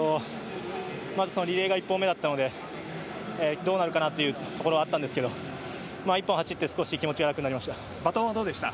リレーが１本目だったのでどうなるかなというところはあったんですけど１本走って少し気持ちが楽になりました。